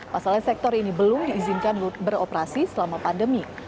pasalnya sektor ini belum diizinkan beroperasi selama pandemi